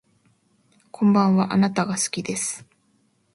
こんばんはあなたが好きです